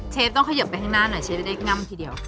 ต้องเขยิบไปข้างหน้าหน่อยเชฟจะได้ง่ำทีเดียว